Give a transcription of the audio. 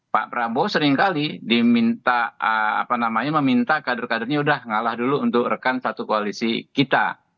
pak prabowo seringkali diminta apa namanya meminta kader kadernya udah ngalah dulu untuk rekan satu koalisi kita